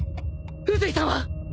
宇髄さんは！？